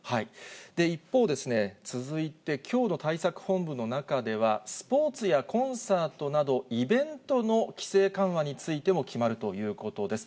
一方、続いて、きょうの対策本部の中では、スポーツやコンサートなど、イベントの規制緩和についても決まるということです。